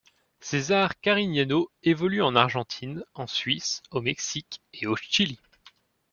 César Carignano évolue en Argentine, en Suisse, au Mexique, et au Chili.